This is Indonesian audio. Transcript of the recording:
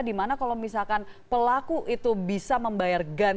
di mana kalau misalkan pelaku itu bisa membayangkan